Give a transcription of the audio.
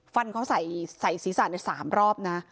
ฟันเขาใส่ศีรษะใน๓รอบนะ